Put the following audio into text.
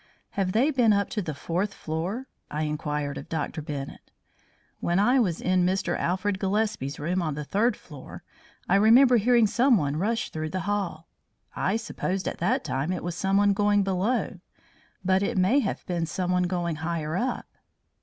"Have they been up to the fourth floor?" I inquired of Dr. Bennett. "When I was in Mr. Alfred Gillespie's room on the third floor, I remember hearing someone rush through the hall. I supposed at that time it was someone going below. But it may have been someone going higher up."